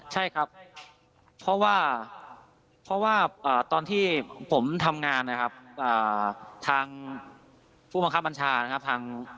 ใช่ครับเพราะว่าเพราะว่าตอนที่ผมทำงานนะครับทางผู้บังคับบัญชานะครับ